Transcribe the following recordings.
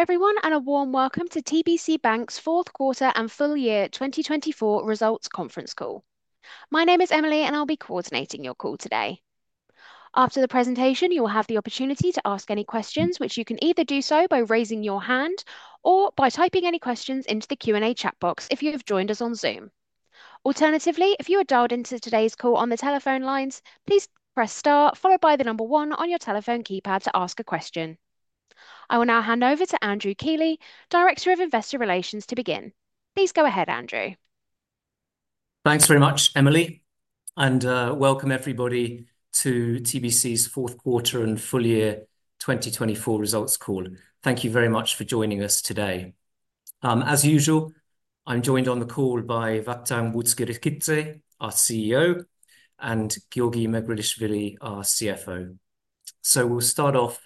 Hello everyone and a warm welcome to TBC Bank's Fourth Quarter and Full Year 2024 Results Conference Call. My name is Emily and I'll be coordinating your call today. After the presentation, you will have the opportunity to ask any questions, which you can either do so by raising your hand or by typing any questions into the Q&A chat box if you have joined us on Zoom. Alternatively, if you are dialed into today's call on the telephone lines, please press *, followed by the number 1 on your telephone keypad to ask a question. I will now hand over to Andrew Keeley, Director of Investor Relations, to begin. Please go ahead, Andrew. Thanks very much, Emily, and welcome everybody to TBC's Fourth Quarter and Full Year 2024 Results Call. Thank you very much for joining us today. As usual, I'm joined on the call by Vakhtang Butskhrikidze, our CEO, and Giorgi Megrelishvili, our CFO. So we'll start off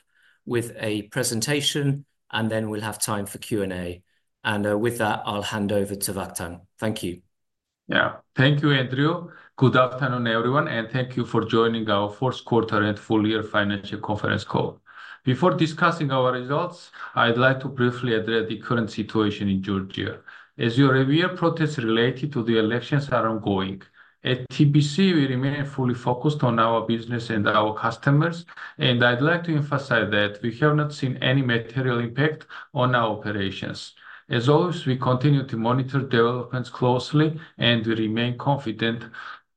with a presentation and then we'll have time for Q&A. And with that, I'll hand over to Vakhtang. Thank you. Yeah, thank you, Andrew. Good afternoon, everyone, and thank you for joining our Fourth Quarter and Full Year Financial Conference Call. Before discussing our results, I'd like to briefly address the current situation in Georgia. As you're aware, protests related to the elections are ongoing. At TBC, we remain fully focused on our business and our customers, and I'd like to emphasize that we have not seen any material impact on our operations. As always, we continue to monitor developments closely and we remain confident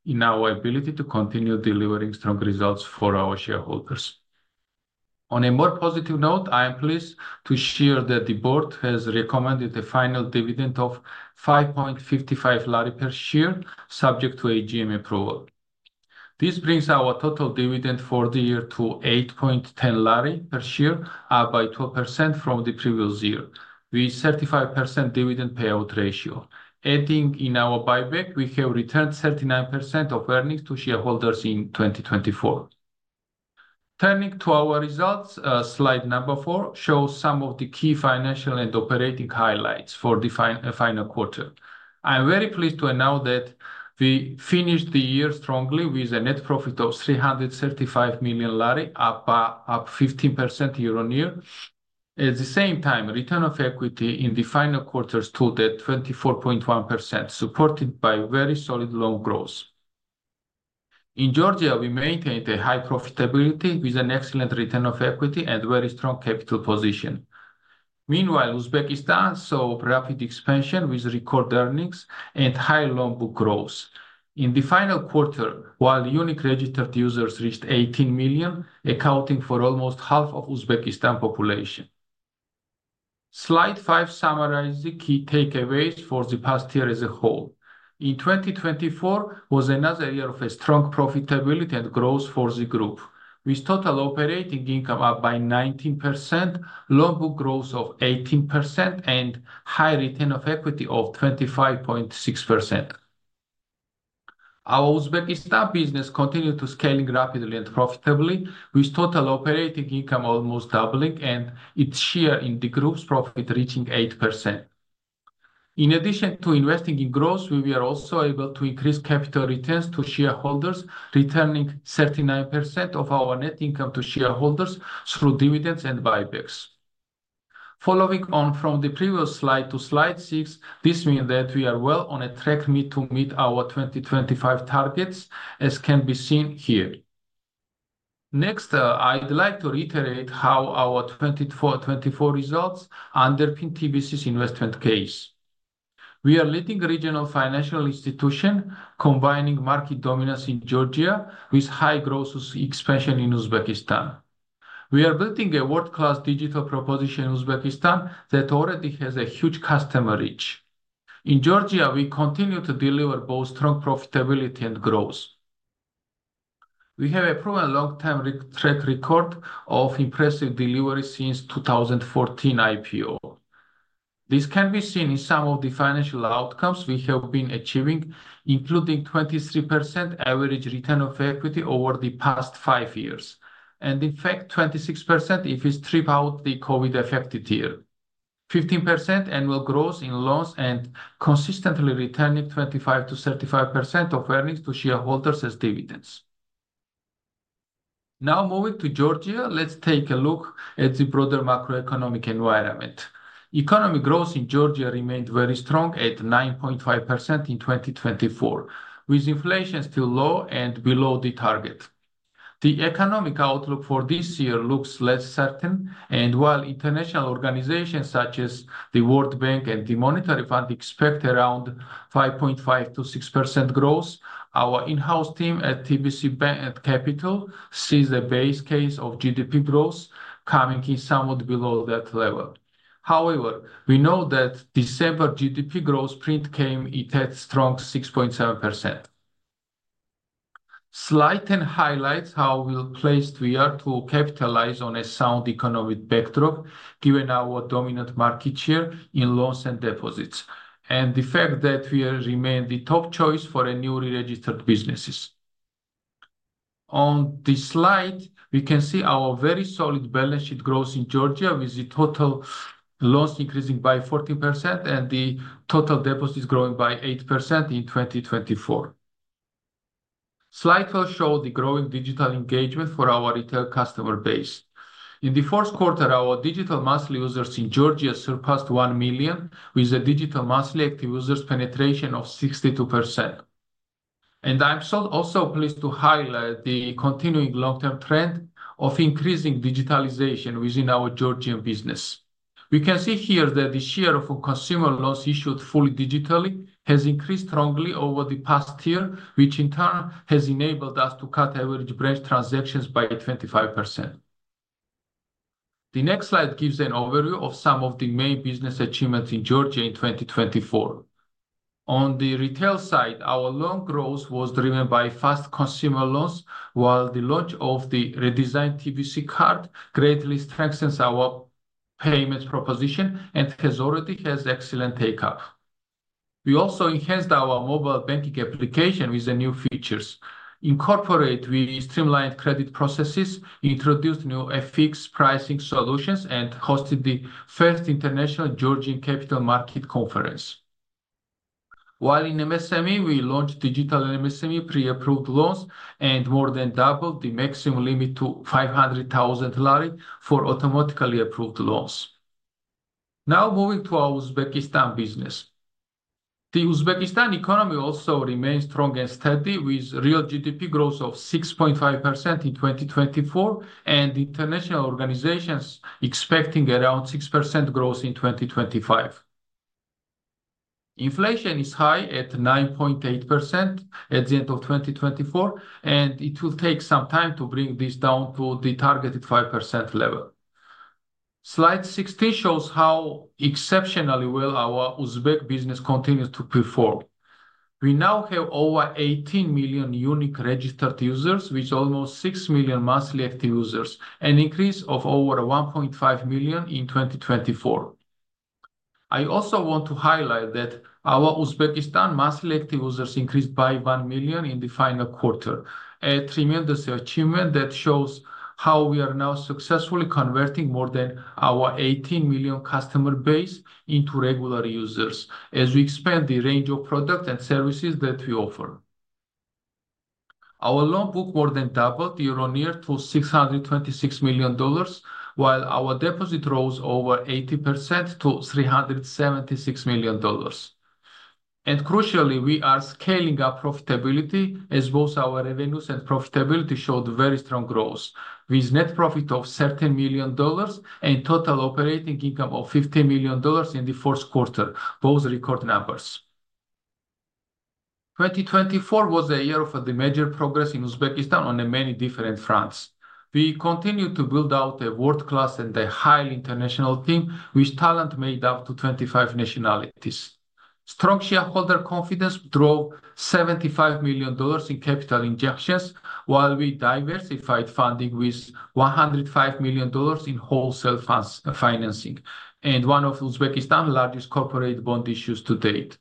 in our ability to continue delivering strong results for our shareholders. On a more positive note, I am pleased to share that the board has recommended a final dividend of GEL 5.55 per share, subject to AGM approval. This brings our total dividend for the year to GEL 8.10 per share, up by 12% from the previous year. We target 100% dividend payout ratio. Adding in our buyback, we have returned 39% of earnings to shareholders in 2024. Turning to our results, slide number four shows some of the key financial and operating highlights for the final quarter. I'm very pleased to announce that we finished the year strongly with a net profit of GEL 335 million, up 15% year on year. At the same time, return on equity in the final quarter stood at 24.1%, supported by very solid loan growth. In Georgia, we maintained a high profitability with an excellent return on equity and a very strong capital position. Meanwhile, Uzbekistan saw rapid expansion with record earnings and high loan book growth. In the final quarter, while unique registered users reached 18 million, accounting for almost half of Uzbekistan's population. Slide 5 summarizes the key takeaways for the past year as a whole. In 2024 was another year of strong profitability and growth for the group, with total operating income up by 19%, loan book growth of 18%, and high return on equity of 25.6%. Our Uzbekistan business continued to scale rapidly and profitably, with total operating income almost doubling and its share in the group's profit reaching 8%. In addition to investing in growth, we were also able to increase capital returns to shareholders, returning 39% of our net income to shareholders through dividends and buybacks. Following on from the previous slide to slide six, this means that we are well on a track to meet our 2025 targets, as can be seen here. Next, I'd like to reiterate how our 2024 results underpin TBC's investment case. We are a leading regional financial institution, combining market dominance in Georgia with high growth expansion in Uzbekistan. We are building a world-class digital proposition in Uzbekistan that already has a huge customer reach. In Georgia, we continue to deliver both strong profitability and growth. We have a proven long-term track record of impressive delivery since 2014 IPO. This can be seen in some of the financial outcomes we have been achieving, including 23% average return on equity over the past five years, and in fact, 26% if we strip out the COVID-affected year, 15% annual growth in loans, and consistently returning 25%-35% of earnings to shareholders as dividends. Now moving to Georgia, let's take a look at the broader macroeconomic environment. Economic growth in Georgia remained very strong at 9.5% in 2024, with inflation still low and below the target. The economic outlook for this year looks less certain, and while international organizations such as the World Bank and the International Monetary Fund expect around 5.5%-6% growth, our in-house team at TBC Bank, TBC Capital sees a base case of GDP growth coming in somewhat below that level. However, we know that December GDP growth print came in at strong 6.7%. Slide 10 highlights how well placed we are to capitalize on a sound economic backdrop, given our dominant market share in loans and deposits, and the fact that we remain the top choice for newly registered businesses. On this slide, we can see our very solid balance sheet growth in Georgia, with the total loans increasing by 14% and the total deposits growing by 8% in 2024. Slide 12 shows the growing digital engagement for our retail customer base. In the fourth quarter, our digital monthly users in Georgia surpassed 1 million, with a digital monthly active users penetration of 62%. I'm also pleased to highlight the continuing long-term trend of increasing digitalization within our Georgian business. We can see here that the share of consumer loans issued fully digitally has increased strongly over the past year, which in turn has enabled us to cut average branch transactions by 25%. The next slide gives an overview of some of the main business achievements in Georgia in 2024. On the retail side, our loan growth was driven by fast consumer loans, while the launch of the re-designed TBC card greatly strengthens our payment proposition and has already had excellent take-up. We also enhanced our mobile banking application with new features. In corporate, we streamlined credit processes, introduced new FX pricing solutions, and hosted the first international Georgian Capital Market Conference. While in MSME, we launched digital MSME pre-approved loans and more than doubled the maximum limit to GEL 500,000 for automatically approved loans. Now moving to our Uzbekistan business. The Uzbekistan economy also remains strong and steady, with real GDP growth of 6.5% in 2024 and international organizations expecting around 6% growth in 2025. Inflation is high at 9.8% at the end of 2024, and it will take some time to bring this down to the targeted 5% level. Slide 16 shows how exceptionally well our Uzbek business continues to perform. We now have over 18 million unique registered users, with almost 6 million monthly active users, an increase of over 1.5 million in 2024. I also want to highlight that our Uzbekistan monthly active users increased by 1 million in the final quarter, a tremendous achievement that shows how we are now successfully converting more than our 18 million customer base into regular users as we expand the range of products and services that we offer. Our loan book more than doubled year on year to $626 million, while our deposit rose over 80% to $376 million, and crucially, we are scaling up profitability as both our revenues and profitability showed very strong growth, with net profit of $13 million and total operating income of $15 million in the fourth quarter, both record numbers. 2024 was a year of major progress in Uzbekistan on many different fronts. We continue to build out a world-class and a highly international team, which talent made up to 25 nationalities. Strong shareholder confidence drove $75 million in capital injections, while we diversified funding with $105 million in wholesale financing, and one of Uzbekistan's largest corporate bond issues to date.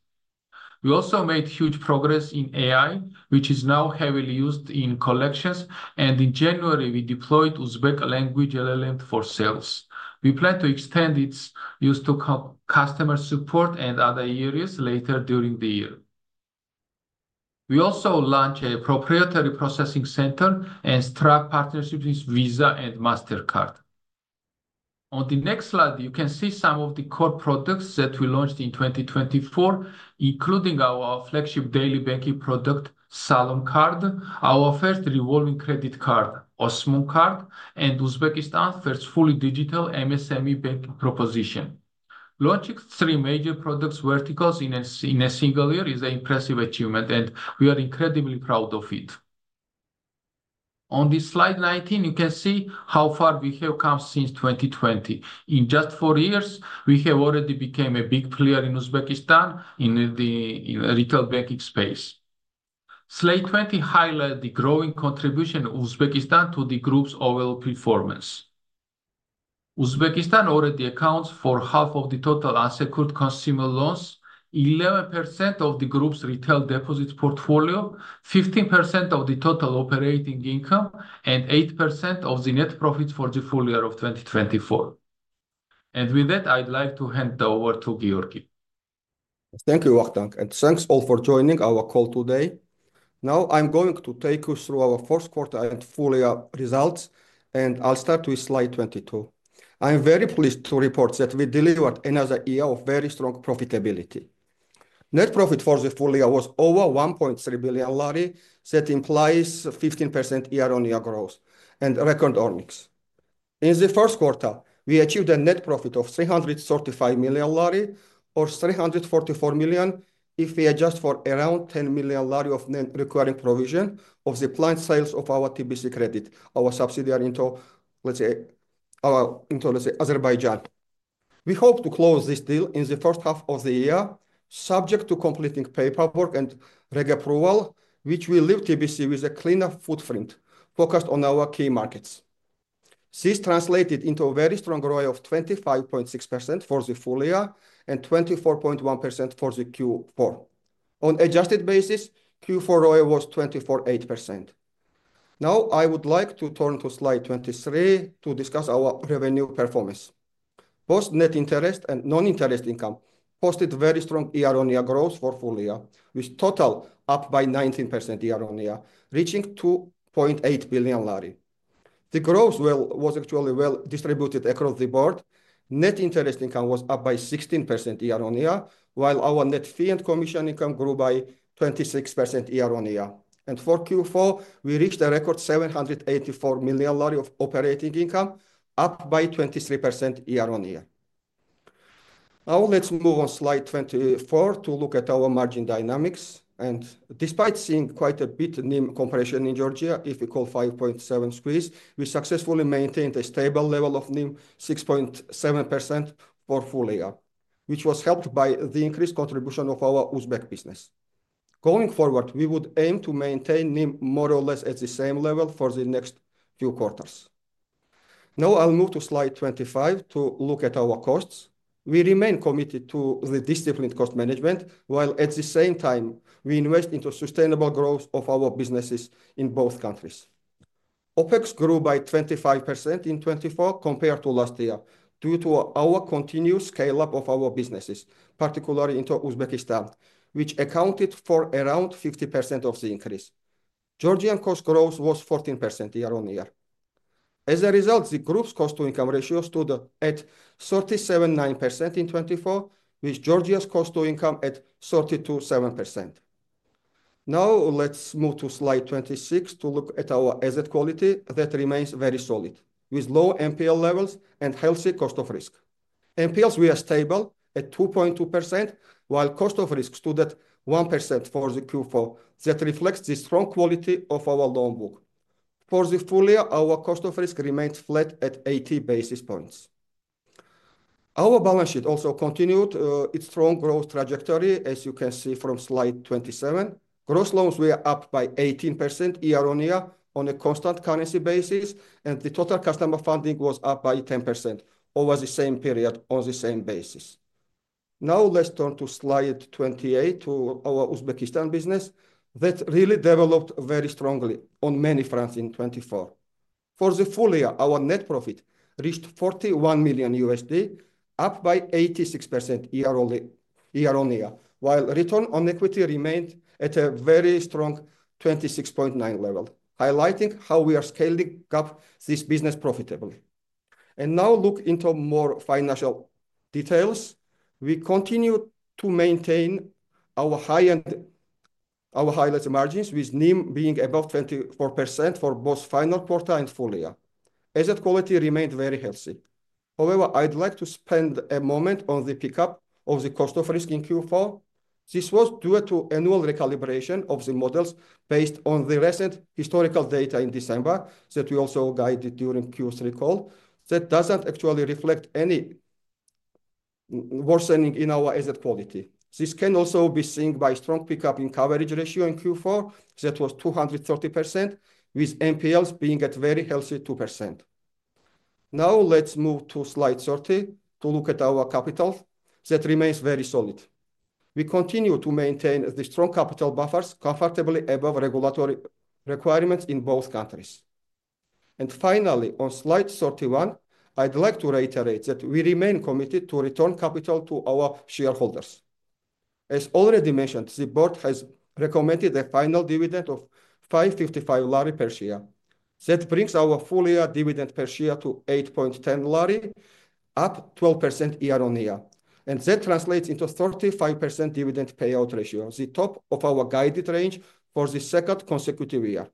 We also made huge progress in AI, which is now heavily used in collections, and in January, we deployed Uzbek language LLM for sales. We plan to extend its use to customer support and other areas later during the year. We also launched a proprietary processing center and struck partnerships with Visa and Mastercard. On the next slide, you can see some of the core products that we launched in 2024, including our flagship daily banking product, Salom Card, our first revolving credit card, Osmon Card, and Uzbekistan's first fully digital MSME banking proposition. Launching three major product verticals in a single year is an impressive achievement, and we are incredibly proud of it. On this slide 19, you can see how far we have come since 2020. In just four years, we have already become a big player in Uzbekistan in the retail banking space. Slide 20 highlights the growing contribution of Uzbekistan to the group's overall performance. Uzbekistan already accounts for half of the total unsecured consumer loans, 11% of the group's retail deposits portfolio, 15% of the total operating income, and 8% of the net profits for the full year of 2024 and with that, I'd like to hand over to Giorgi. Thank you, Vakhtang, and thanks all for joining our call today. Now I'm going to take you through our fourth quarter and full year results, and I'll start with slide 22. I'm very pleased to report that we delivered another year of very strong profitability. Net profit for the full year was over GEL 1.3 billion, that implies 15% year-on-year growth and record earnings. In the first quarter, we achieved a net profit of GEL 335 million, or GEL 344 million if we adjust for around GEL 10 million of net required provision for the planned sale of our TBC Kredit, our subsidiary in, let's say, Azerbaijan. We hope to close this deal in the first half of the year, subject to completing paperwork and regulatory approval, which will leave TBC with a cleaner footprint focused on our key markets. This translated into a very strong ROE of 25.6% for the full year and 24.1% for the Q4. On adjusted basis, Q4 ROE was 24.8%. Now I would like to turn to slide 23 to discuss our revenue performance. Both net interest and non-interest income posted very strong year-on-year growth for full year, with total up by 19% year-on-year, reaching GEL 2.8 billion. The growth was actually well distributed across the board. Net interest income was up by 16% year-on-year, while our net fee and commission income grew by 26% year-on-year. And for Q4, we reached a record GEL 784 million of operating income, up by 23% year-on-year. Now let's move on to slide 24 to look at our margin dynamics. Despite seeing quite a bit of NIM compression in Georgia, if we call 5.7% squeeze, we successfully maintained a stable level of NIM 6.7% for full year, which was helped by the increased contribution of our Uzbek business. Going forward, we would aim to maintain NIM more or less at the same level for the next few quarters. Now I'll move to slide 25 to look at our costs. We remain committed to the disciplined cost management, while at the same time, we invest into sustainable growth of our businesses in both countries. OpEx grew by 25% in 2024 compared to last year due to our continuous scale-up of our businesses, particularly in Uzbekistan, which accounted for around 50% of the increase. Georgian cost growth was 14% year-on-year. As a result, the group's cost-to-income ratio stood at 37.9% in 2024, with Georgia's cost-to-income at 32.7%. Now let's move to slide 26 to look at our asset quality that remains very solid, with low NPL levels and healthy cost of risk. NPLs were stable at 2.2%, while cost of risk stood at 1% for the Q4. That reflects the strong quality of our loan book. For the full year, our cost of risk remained flat at 80 basis points. Our balance sheet also continued its strong growth trajectory, as you can see from slide 27. Gross loans were up by 18% year-on-year on a constant currency basis, and the total customer funding was up by 10% over the same period on the same basis. Now let's turn to slide 28 to our Uzbekistan business that really developed very strongly on many fronts in 2024. For the full year, our net profit reached $41 million, up by 86% year-on-year, while return on equity remained at a very strong 26.9% level, highlighting how we are scaling up this business profitably. Now look into more financial details. We continue to maintain our high-end, our high-yield margins, with NIM being above 24% for both final quarter and full year. Asset quality remained very healthy. However, I'd like to spend a moment on the pickup of the cost of risk in Q4. This was due to annual recalibration of the models based on the recent historical data in December that we also guided during Q3 call. That doesn't actually reflect any worsening in our asset quality. This can also be seen by strong pickup in coverage ratio in Q4 that was 230%, with NPLs being at very healthy 2% Now let's move to slide 30 to look at our capital that remains very solid. We continue to maintain the strong capital buffers comfortably above regulatory requirements in both countries. And finally, on slide 31, I'd like to reiterate that we remain committed to return capital to our shareholders. As already mentioned, the board has recommended a final dividend of GEL 5.55 per share. That brings our full year dividend per share to GEL 8.10, up 12% year-on-year, and that translates into a 35% dividend payout ratio, the top of our guided range for the second consecutive year.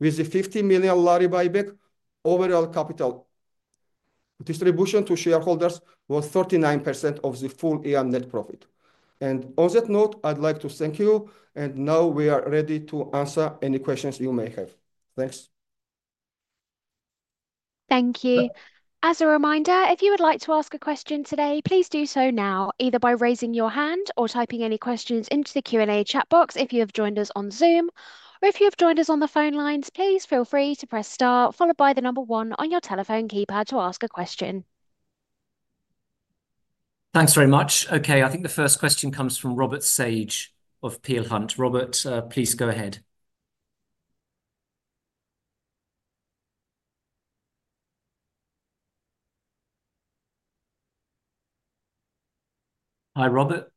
With the GEL 50 million buyback, overall capital distribution to shareholders was 39% of the full year net profit. And on that note, I'd like to thank you, and now we are ready to answer any questions you may have. Thanks. Thank you. As a reminder, if you would like to ask a question today, please do so now, either by raising your hand or typing any questions into the Q&A chat box if you have joined us on Zoom, or if you have joined us on the phone lines, please feel free to press *, followed by the number 1 on your telephone keypad to ask a question. Thanks very much. Okay, I think the first question comes from Robert Sage of Peel Hunt. Robert, please go ahead. Hi, Robert.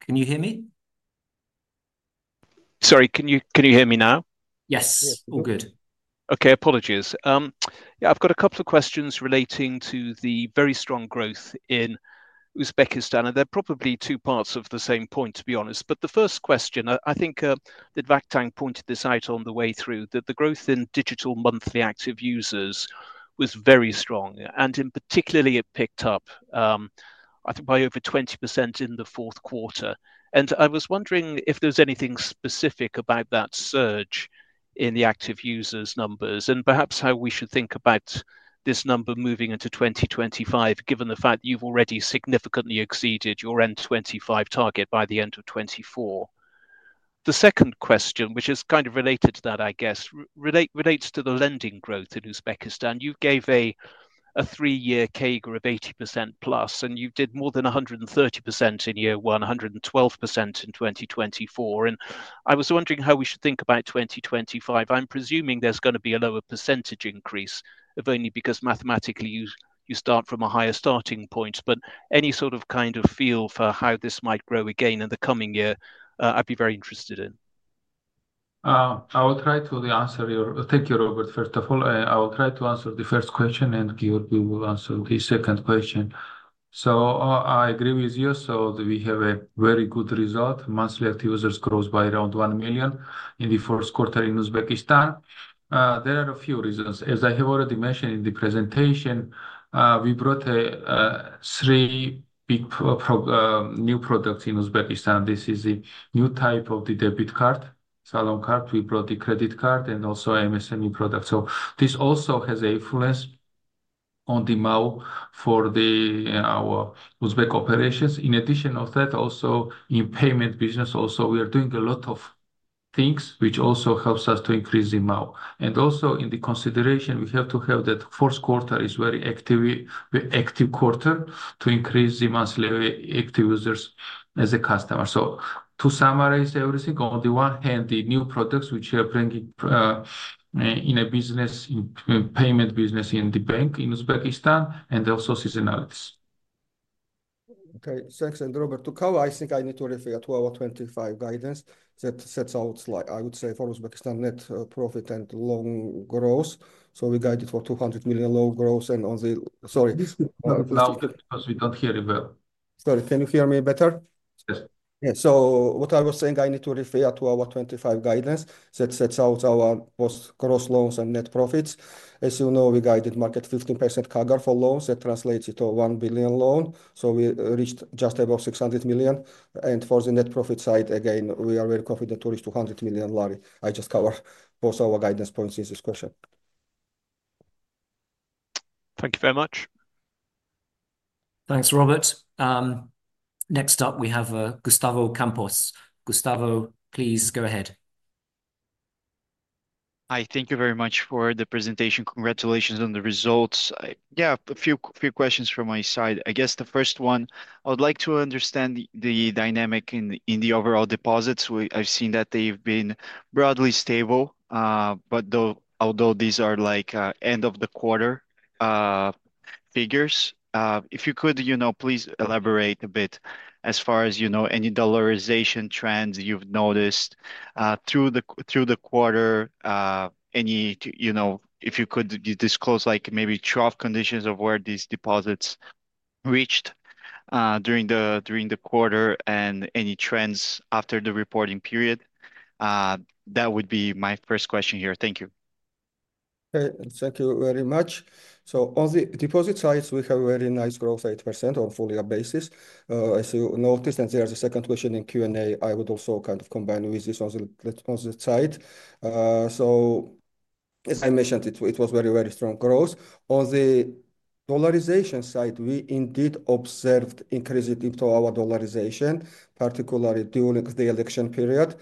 Can you hear me? Sorry, can you hear me now? Yes, all good. Okay, apologies. Yeah, I've got a couple of questions relating to the very strong growth in Uzbekistan, and they're probably two parts of the same point, to be honest, but the first question, I think that Vakhtang pointed this out on the way through, that the growth in digital monthly active users was very strong, and in particular, it picked up, I think, by over 20% in the fourth quarter. And I was wondering if there's anything specific about that surge in the active users' numbers, and perhaps how we should think about this number moving into 2025, given the fact that you've already significantly exceeded your end-2025 target by the end of 2024. The second question, which is kind of related to that, I guess, relates to the lending growth in Uzbekistan. You gave a three-year CAGR of 80% plus, and you did more than 130% in year one, 112% in 2024. And I was wondering how we should think about 2025. I'm presuming there's going to be a lower percentage increase of only because mathematically you start from a higher starting point, but any sort of kind of feel for how this might grow again in the coming year, I'd be very interested in. I will try to answer yours. Thank you, Robert. First of all, I will try to answer the first question, and Giorgi will answer the second question. I agree with you. We have a very good result. Monthly active users grow by around one million in the fourth quarter in Uzbekistan. There are a few reasons. As I have already mentioned in the presentation, we brought three big new products in Uzbekistan. This is the new type of the debit card, Salom Card. We brought the credit card and also MSME products. This also has an influence on the MAU for our Uzbek operations. In addition to that, also in payment business, we are doing a lot of things which also helps us to increase the MAU. And also in the consideration, we have to have that fourth quarter is a very active quarter to increase the monthly active users as a customer. So to summarize everything, on the one hand, the new products which are bringing in a business, payment business in the bank in Uzbekistan, and also seasonalities. Okay, thanks. And Robert, to cover, I think I need to refer to our 2025 guidance that sets out, I would say, for Uzbekistan net profit and loan growth. So we guided for $200 million loan growth and on the, sorry. Now, because we don't hear you well. Sorry, can you hear me better? Yes. Yeah, so what I was saying, I need to refer to our 2025 guidance that sets out our gross loans and net profits. As you know, we guided market 15% CAGR for loans that translates to a $1 billion loan. So we reached just above $600 million. And for the net profit side, again, we are very confident to reach GEL 200 million. I just covered both our guidance points in this question. Thank you very much. Thanks, Robert. Next up, we have Gustavo Campos. Gustavo, please go ahead. Hi, thank you very much for the presentation. Congratulations on the results. Yeah, a few questions from my side. I guess the first one, I would like to understand the dynamic in the overall deposits. I've seen that they've been broadly stable, but although these are like end-of-the-quarter figures, if you could, you know, please elaborate a bit as far as, you know, any dollarization trends you've noticed through the quarter. Any, you know, if you could disclose like maybe trough conditions of where these deposits reached during the quarter and any trends after the reporting period. That would be my first question here. Thank you. Thank you very much. On the deposit side, we have a very nice growth, 8% on full year basis. As you noticed, and there's a second question in Q&A, I would also kind of combine with this on the side. As I mentioned, it was very, very strong growth. On the dollarization side, we indeed observed increases into our dollarization, particularly during the election period.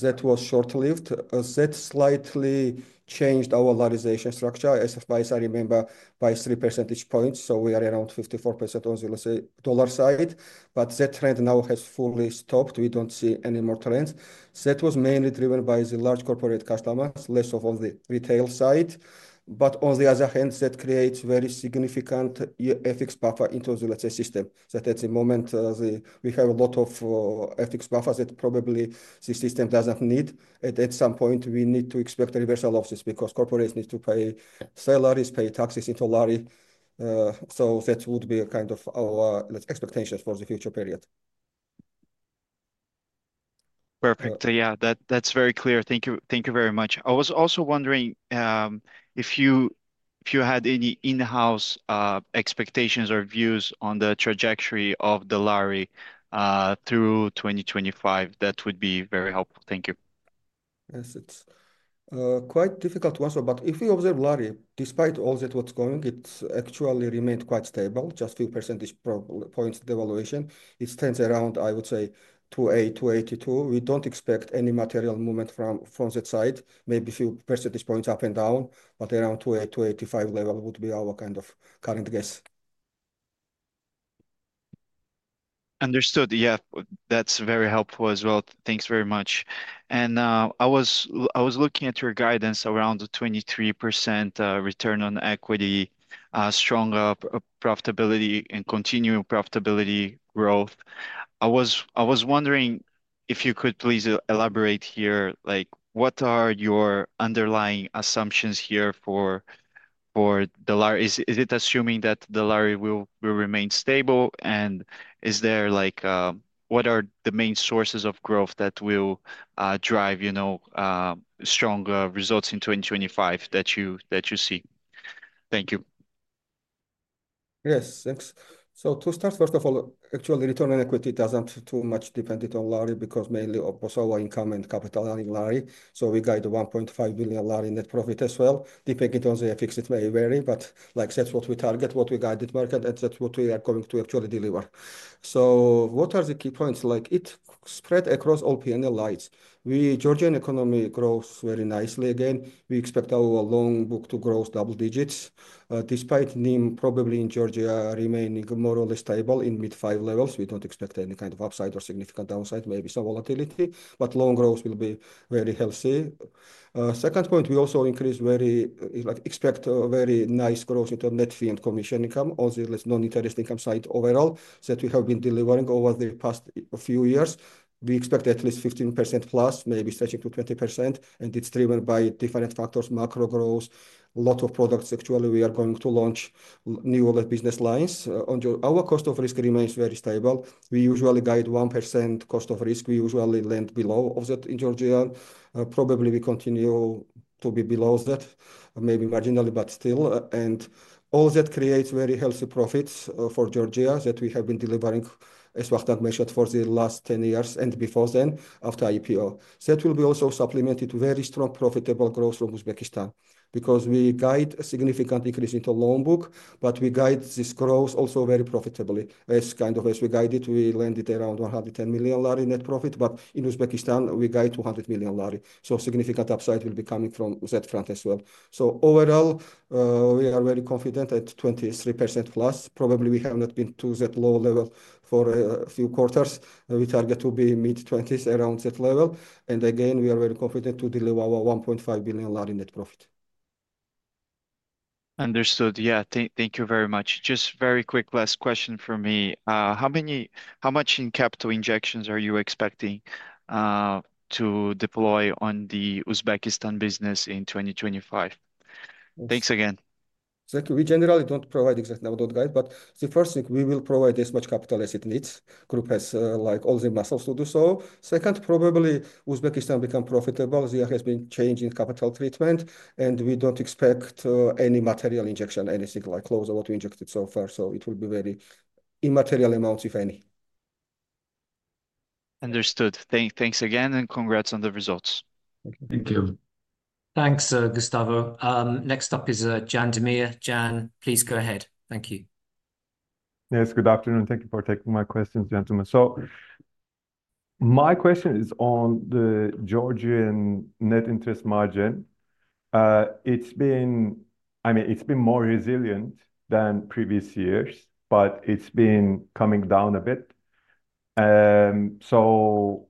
That was short-lived. That slightly changed our dollarization structure as far as I remember, by 3 percentage points. We are around 54% on the dollar side, but that trend now has fully stopped. We don't see any more trends. That was mainly driven by the large corporate customers, less of on the retail side. On the other hand, that creates very significant FX buffer into the system. So at the moment, we have a lot of FX buffers that probably the system doesn't need. At some point, we need to expect reversal of this because corporates need to pay salaries, pay taxes into Lari. So that would be kind of our expectations for the future period. Perfect. Yeah, that's very clear. Thank you very much. I was also wondering if you had any in-house expectations or views on the trajectory of the Lari through 2025? That would be very helpful. Thank you. Yes, it's quite difficult to answer, but if we observe Lari, despite all that what's going, it actually remained quite stable, just a few percentage points devaluation. It stands around, I would say, 2.82. We don't expect any material movement from that side, maybe a few percentage points up and down, but around 2.85 level would be our kind of current guess. Understood. Yeah, that's very helpful as well. Thanks very much, and I was looking at your guidance around the 23% return on equity, strong profitability, and continuing profitability growth. I was wondering if you could please elaborate here, like what are your underlying assumptions here for the Lari? Is it assuming that the Lari will remain stable, and is there like, what are the main sources of growth that will drive strong results in 2025 that you see? Thank you. Yes, thanks. So to start, first of all, actually return on equity doesn't too much dependent on Lari because mainly of our income and capital earning Lari. So we guide GEL 1.5 billion net profit as well. Depending on the FX, it may vary, but like that's what we target, what we guided market, and that's what we are going to actually deliver. So what are the key points? Like it spread across all P&L lines. Georgian economy grows very nicely. Again, we expect our loan book to grow double digits despite NIM probably in Georgia remaining more or less stable in mid five levels. We don't expect any kind of upside or significant downside, maybe some volatility, but loan growth will be very healthy. Second point, we also expect very nice growth in net fee and commission income on the non-interest income side overall that we have been delivering over the past few years. We expect at least 15% plus, maybe stretching to 20%, and it's driven by different factors, macro growth, a lot of products. Actually, we are going to launch new business lines. Our cost of risk remains very stable. We usually guide 1% cost of risk. We usually lend below that in Georgia. Probably we continue to be below that, maybe marginally, but still. All that creates very healthy profits for Georgia that we have been delivering, as Vakhtang mentioned, for the last 10 years and before then after IPO. That will be also supplemented to very strong profitable growth from Uzbekistan because we guide a significant increase into loan book, but we guide this growth also very profitably. As kind of as we guide it, we guide it around GEL 110 million net profit, but in Uzbekistan, we guide GEL 200 million. So significant upside will be coming from that front as well. So overall, we are very confident at 23% plus. Probably we have not been to that low level for a few quarters. We target to be mid 20s around that level, and again, we are very confident to deliver our GEL 1.5 billion net profit. Understood. Yeah, thank you very much. Just very quick last question for me. How much in capital injections are you expecting to deploy on the Uzbekistan business in 2025? Thanks again. Exactly. We generally don't provide exactly what we do, guys, but the first thing we will provide as much capital as it needs. Group has like all the muscles to do so. Second, probably Uzbekistan becomes profitable. There has been change in capital treatment, and we don't expect any material injection, anything like close to what we injected so far. So it will be very immaterial amounts, if any. Understood. Thanks again and congrats on the results. Thank you. Thanks, Gustavo. Next up is Can Demir. Can, please go ahead. Thank you. Yes, good afternoon. Thank you for taking my questions, gentlemen. So my question is on the Georgian net interest margin. It's been, I mean, it's been more resilient than previous years, but it's been coming down a bit. So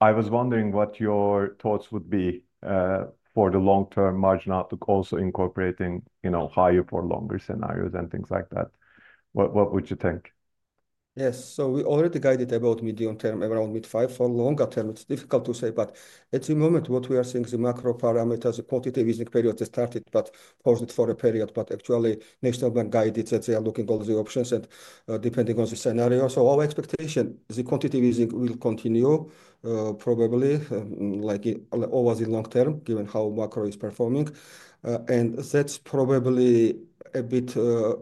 I was wondering what your thoughts would be for the long-term margin outlook, also incorporating higher for longer scenarios and things like that. What would you think? Yes, so we already guided about medium term, around mid-5% for longer term. It's difficult to say, but at the moment, what we are seeing is the macro parameters. The quantitative easing period has started, but paused for a period, but actually National bank guided that they are looking at all the options and depending on the scenario. So our expectation is the quantitative easing will continue probably like always in long term, given how macro is performing. And that's probably a bit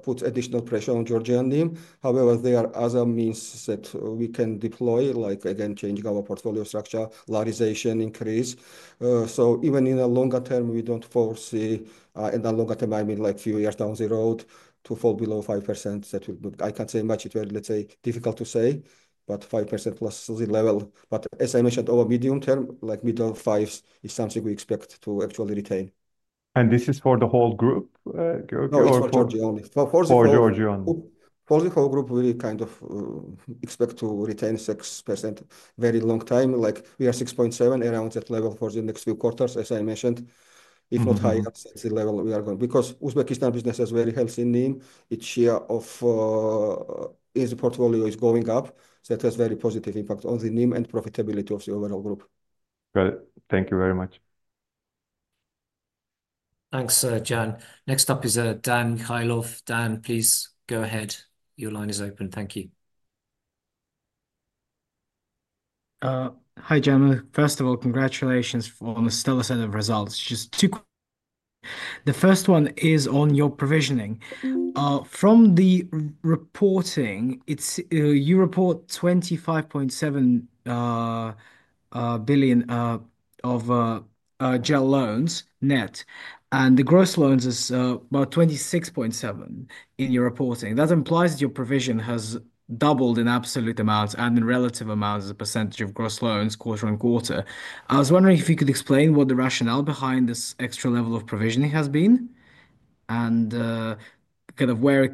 puts additional pressure on Georgian NIM. However, there are other means that we can deploy, like again, changing our portfolio structure, Larization increase. So even in a longer term, we don't foresee, and a longer term, I mean like a few years down the road to fall below 5%. I can't say much. It's very, let's say, difficult to say, but 5% plus the level. But as I mentioned, our medium term, like middle fives is something we expect to actually retain. This is for the whole group? Yes, For Georgia only. For the whole group. For the whole group, we kind of expect to retain 6% very long time. Like we are 6.7% around that level for the next few quarters, as I mentioned. If not higher than the level we are going, because Uzbekistan business has very healthy NIM. Its share of in the portfolio is going up. That has very positive impact on the NIM and profitability of the overall group. Got it. Thank you very much. Thanks, Can. Next up is Dan Mikhaylov. Dan, please go ahead. Your line is open. Thank you. Hi. First of all, congratulations on the stellar set of results. Just two. The first one is on your provisioning. From the reporting, you report 25.7 billion GEL loans net, and the gross loans is about GEL 26.7 billion in your reporting. That implies that your provision has doubled in absolute amounts and in relative amounts as a percentage of gross loans quarter-on-quarter. I was wondering if you could explain what the rationale behind this extra level of provisioning has been and kind of where it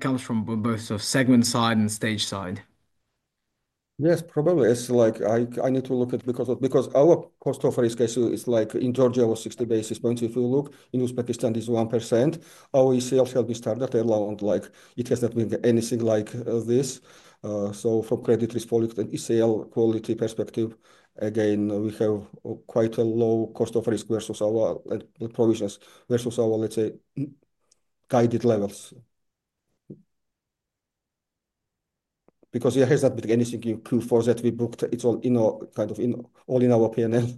comes from on both segment side and stage side. Yes, probably. It's like I need to look at because our cost of risk is like in Georgia was 60 basis points. If you look in Uzbekistan, it's 1%. Our ECL shall be standard. It has not been anything like this. So from credit risk quality and ECL quality perspective, again, we have quite a low cost of risk versus our provisions versus our, let's say, guided levels. Because it has not been anything new for that we booked. It's all in our kind of all in our P&L.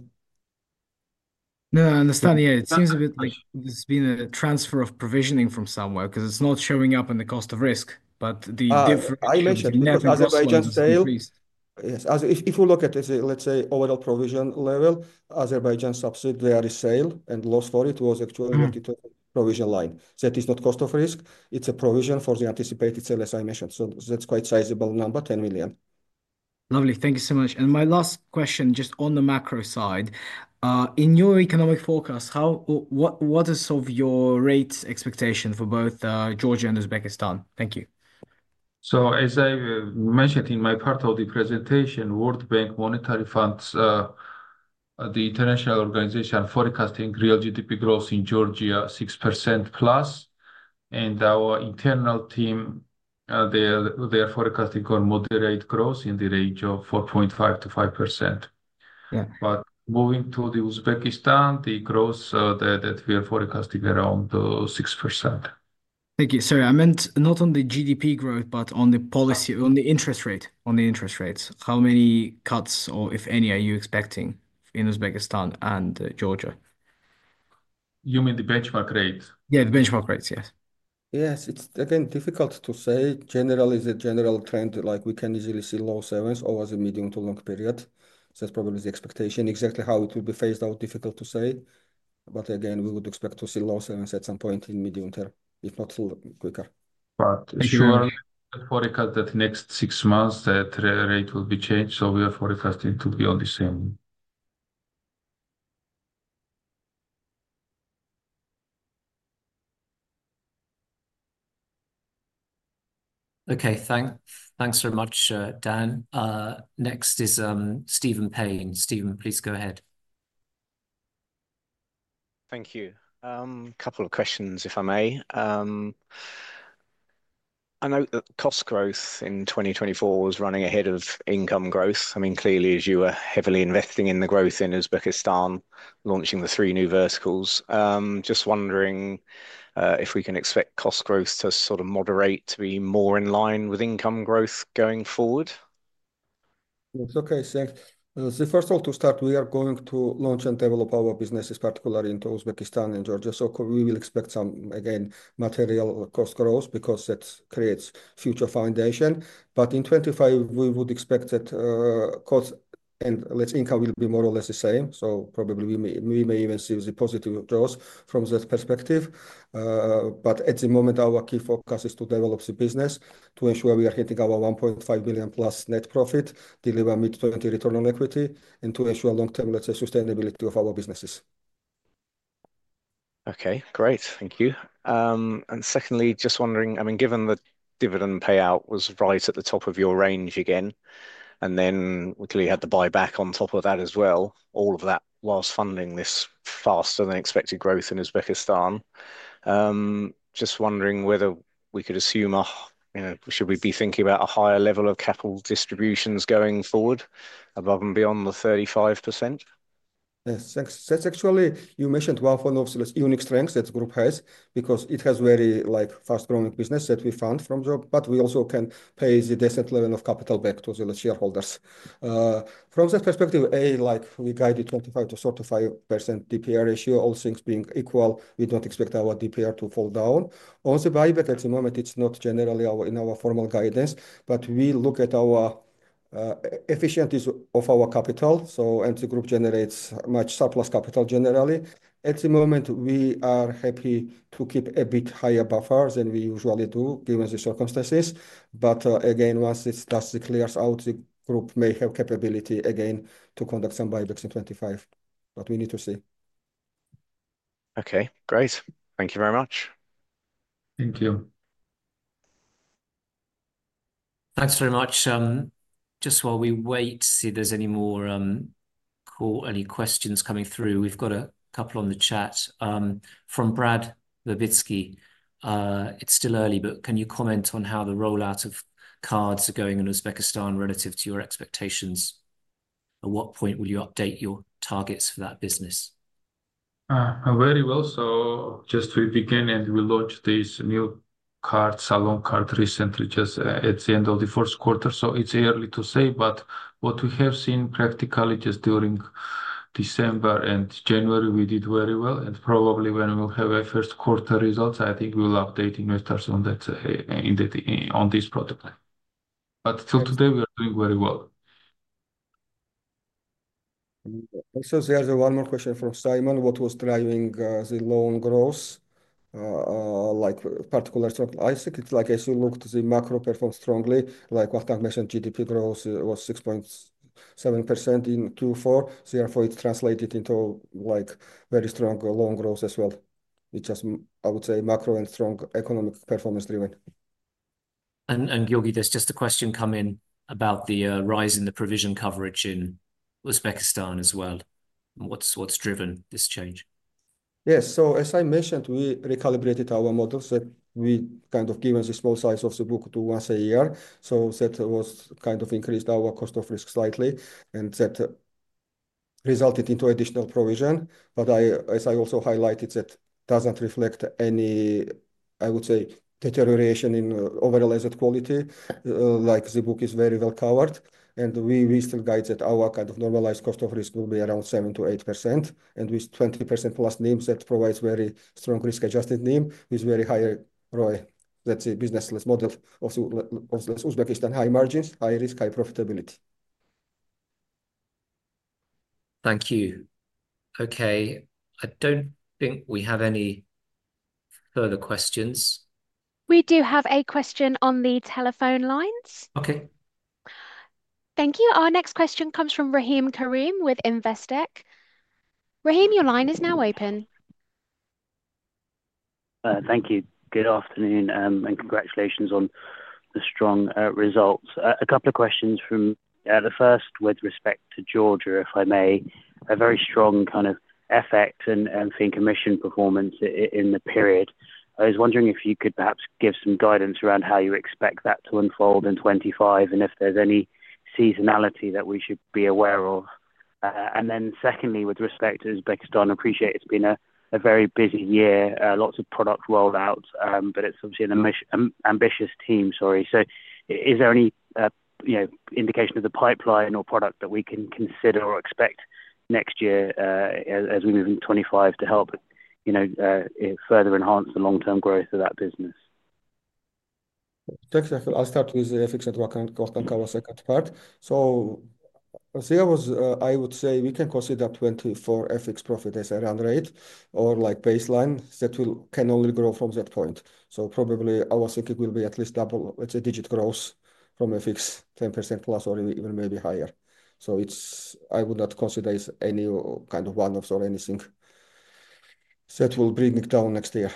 No, I understand. Yeah, it seems a bit like there's been a transfer of provisioning from somewhere because it's not showing up in the cost of risk, but the difference. I mentioned Azerbaijan sale. Yes, if you look at, let's say, overall provision level, Azerbaijan subsidiary there is sale and loss for it was actually provision line. That is not cost of risk. It's a provision for the anticipated sale, as I mentioned. So that's quite sizable number, GEL 10 million. Lovely. Thank you so much. And my last question just on the macro side. In your economic forecast, what is your rates expectation for both Georgia and Uzbekistan? Thank you. So as I mentioned in my part of the presentation, World Bank, IMF, the international organization forecasting real GDP growth in Georgia 6% plus. And our internal team, they are forecasting on moderate growth in the range of 4.5-5%. But moving to Uzbekistan, the growth that we are forecasting around 6%. Thank you. Sorry, I meant not on the GDP growth, but on the policy, on the interest rate, on the interest rates. How many cuts or if any are you expecting in Uzbekistan and Georgia? You mean the benchmark rate? Yeah, the benchmark rates, yes. Yes, it's again difficult to say. Generally, is it general trend? Like we can easily see low sevens or as a medium to long period. So that's probably the expectation. Exactly how it will be phased out, difficult to say. But again, we would expect to see low sevens at some point in medium term, if not quicker. But if you want to forecast that next six months, that rate will be changed. So we are forecasting to be on the same. Okay, thanks. Thanks so much, Dan. Next is Stephen Payne. Stephen, please go ahead. Thank you. A couple of questions, if I may. I know that cost growth in 2024 was running ahead of income growth. I mean, clearly, as you were heavily investing in the growth in Uzbekistan, launching the three new verticals, just wondering if we can expect cost growth to sort of moderate, to be more in line with income growth going forward? It's okay. So first of all, to start, we are going to launch and develop our businesses, particularly into Uzbekistan and Georgia. So we will expect some, again, material cost growth because that creates future foundation. But in 2025, we would expect that cost and let's say income will be more or less the same. So probably we may even see the positive growth from that perspective. But at the moment, our key focus is to develop the business to ensure we are hitting our GEL 1.5 billion plus net profit, deliver mid-20 return on equity, and to ensure long-term, let's say, sustainability of our businesses. Okay, great. Thank you. And secondly, just wondering, I mean, given the dividend payout was right at the top of your range again, and then we clearly had the buyback on top of that as well, all of that was funding this faster than expected growth in Uzbekistan. Just wondering whether we could assume a, should we be thinking about a higher level of capital distributions going forward above and beyond the 35%? Yes, thanks. That's actually, you mentioned one of the unique strengths that the group has because it has very fast-growing business that we funded from the IPO, but we also can pay the decent level of capital back to the shareholders. From that perspective, like we guided 25%-35% DPR ratio, all things being equal, we don't expect our DPR to fall down. On the buyback at the moment, it's not generally in our formal guidance, but we look at our efficiencies of our capital. So the group generates much surplus capital generally. At the moment, we are happy to keep a bit higher buffers than we usually do given the circumstances. But again, once it starts to clear out, the group may have capability again to conduct some buybacks in 2025, but we need to see. Okay, great. Thank you very much. Thank you. Thanks very much. Just while we wait to see if there's any more call, any questions coming through, we've got a couple on the chat from Brad Levitsky. It's still early, but can you comment on how the rollout of cards are going in Uzbekistan relative to your expectations? At what point will you update your targets for that business? Very well. So just we began and we launched this new card, Salom Card recently, just at the end of the first quarter. So it's early to say, but what we have seen practically just during December and January, we did very well. And probably when we'll have our first quarter results, I think we'll update investors on that in this protocol. But till today, we are doing very well. Also, there's one more question from Simon. What was driving the loan growth? Like particular structural ISIC, it's like as you looked, the macro performed strongly. Like Vakhtang mentioned, GDP growth was 6.7% in Q4. Therefore, it translated into like very strong loan growth as well. It's just, I would say, macro and strong economic performance driven. Giorgi, there's just a question come in about the rise in the provision coverage in Uzbekistan as well. What's driven this change? Yes, so as I mentioned, we recalibrated our model so that we kind of given the small size of the book to once a year. So that was kind of increased our cost of risk slightly and that resulted into additional provision. But as I also highlighted, that doesn't reflect any, I would say, deterioration in overall asset quality. Like the book is very well covered. And we still guide that our kind of normalized cost of risk will be around 7-8%. And with 20% plus NIM, that provides very strong risk-adjusted NIM with very high ROI. That's a business model of Uzbekistan, high margins, high risk, high profitability. Thank you. Okay. I don't think we have any further questions. We do have a question on the telephone lines. Okay. Thank you. Our next question comes from Rahim Karim with Investec. Rahim, your line is now open. Thank you. Good afternoon and congratulations on the strong results. A couple of questions from the first with respect to Georgia, if I may. A very strong kind of effect and fee and commission performance in the period. I was wondering if you could perhaps give some guidance around how you expect that to unfold in 2025 and if there's any seasonality that we should be aware of. And then secondly, with respect to Uzbekistan, I appreciate it's been a very busy year, lots of product rollouts, but it's obviously an ambitious team, sorry. So is there any indication of the pipeline or product that we can consider or expect next year as we move into 2025 to help further enhance the long-term growth of that business? Exactly. I'll start with the FX at Vakhtang, our second part. So I think I was, I would say we can consider 24 FX profit as a run rate or like baseline that can only grow from that point. So probably I was thinking it will be at least double, let's say digit growth from FX 10% plus or even maybe higher. So I would not consider any kind of one-offs or anything that will bring it down next year.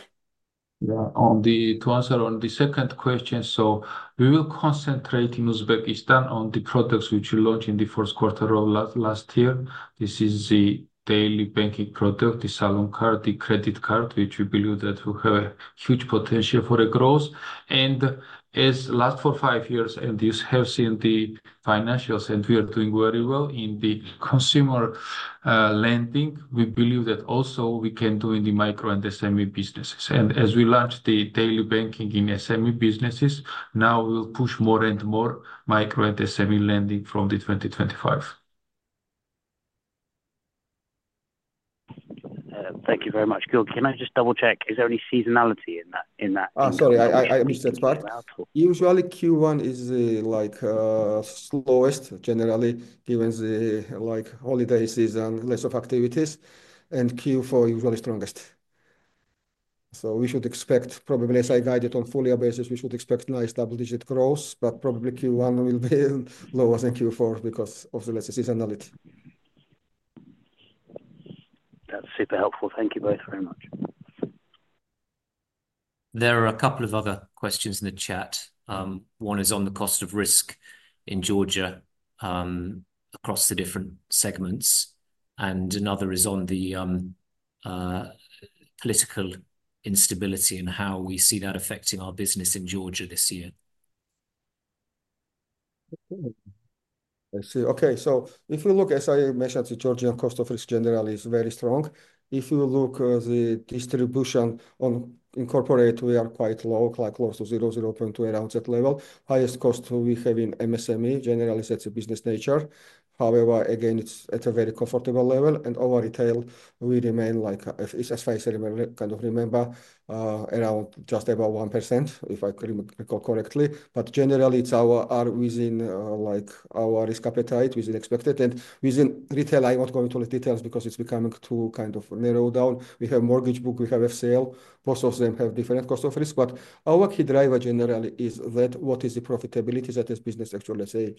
Yeah. To answer on the second question, so we will concentrate in Uzbekistan on the products which we launched in the first quarter of last year. This is the daily banking product, the Salom Card, the credit card, which we believe that will have a huge potential for a growth. And as last four, five years, and you have seen the financials and we are doing very well in the consumer lending, we believe that also we can do in the micro and the SME businesses. And as we launched the daily banking in SME businesses, now we'll push more and more micro and SME lending from 2025. Thank you very much. Giorgi, can I just double check? Is there any seasonality in that? Oh, sorry, I missed that part. Usually Q1 is like slowest generally given the like holiday season, less of activities, and Q4 usually strongest. So we should expect probably as I guided on full year basis, we should expect nice double digit growth, but probably Q1 will be lower than Q4 because of the seasonality. That's super helpful. Thank you both very much. There are a couple of other questions in the chat. One is on the cost of risk in Georgia across the different segments, and another is on the political instability and how we see that affecting our business in Georgia this year. I see. Okay. So if we look, as I mentioned, the Georgian cost of risk generally is very strong. If you look at the distribution on corporate, we are quite low, like close to 0-0.2 around that level. Highest cost we have in MSME generally sets a business nature. However, again, it's at a very comfortable level. And our retail, we remain like, as I kind of remember, around just about 1% if I recall correctly. But generally, it's all within like our risk appetite within expected and within retail. I'm not going into the details because it's becoming too kind of narrowed down. We have mortgage book, we have FCL. Most of them have different cost of risk. But our key driver generally is that what is the profitability that this business actually, let's say,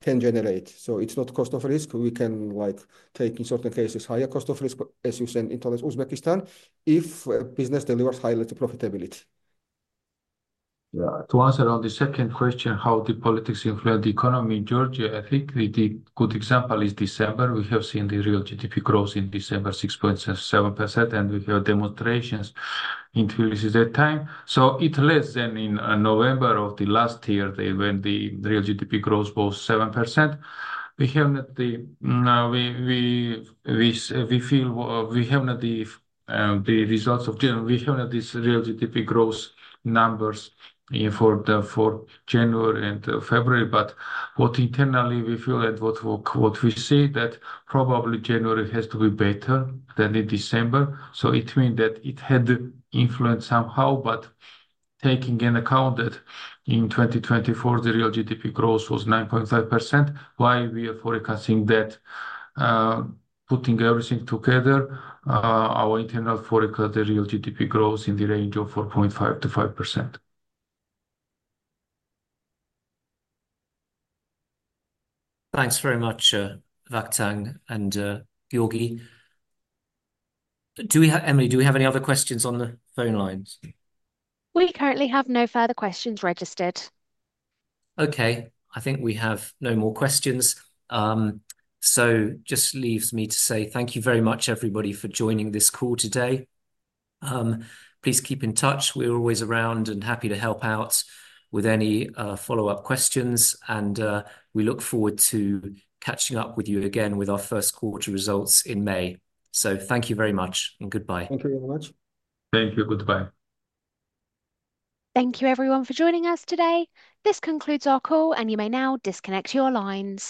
can generate. So it's not cost of risk. We can like take in certain cases higher cost of risk, as you said, in Uzbekistan if a business delivers high profitability. Yeah. To answer on the second question, how the politics influence the economy in Georgia, I think the good example is December. We have seen the real GDP growth in December, 6.7%, and we have demonstrations in that time. So it less than in November of the last year, when the real GDP growth was 7%. We feel we have not the results of this real GDP growth numbers for January and February. But what internally we feel that what we see that probably January has to be better than in December. So it means that it had influenced somehow, but taking into account that in 2024, the real GDP growth was 9.5%, why we are forecasting that putting everything together, our internal forecast, the real GDP growth in the range of 4.5%-5%. Thanks very much, Vakhtang and Giorgi. Do we have, Emily, do we have any other questions on the phone lines? We currently have no further questions registered. Okay. I think we have no more questions. So just leaves me to say thank you very much, everybody, for joining this call today. Please keep in touch. We're always around and happy to help out with any follow-up questions. And we look forward to catching up with you again with our first quarter results in May. So thank you very much and goodbye. Thank you very much. Thank you. Goodbye. Thank you, everyone, for joining us today. This concludes our call, and you may now disconnect your lines.